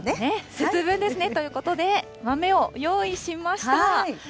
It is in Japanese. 節分ですね、ということで、豆を用意しました。